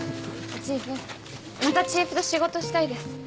チーフまたチーフと仕事したいです。